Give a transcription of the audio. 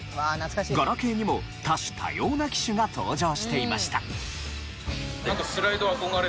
ガラケーにも多種多様な機種が登場していました。